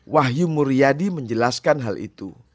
wahyu muryadi menjelaskan hal itu